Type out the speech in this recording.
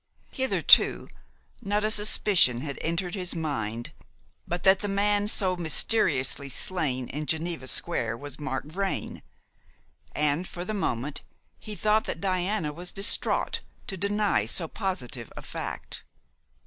Hitherto, not a suspicion had entered his mind but that the man so mysteriously slain in Geneva Square was Mark Vrain, and, for the moment, he thought that Diana was distraught to deny so positive a fact.